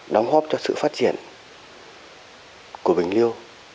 đóng hóp cho sự phát triển của bình liêu